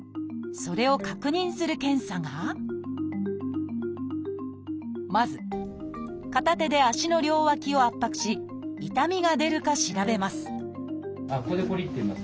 それを確認する検査がまず片手で足の両脇を圧迫し痛みが出るか調べます